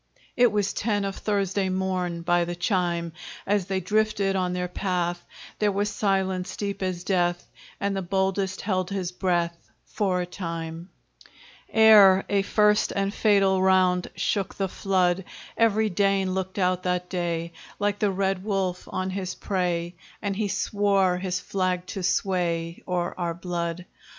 It was ten of Thursday morn, By the chime; As they drifted on their path There was silence deep as death, And the boldest held his breath For a time Ere a first and fatal round Shook the flood; Every Dane looked out that day, Like the red wolf on his prey, And he swore his flag to sway O'er our blood.